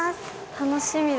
楽しみだ。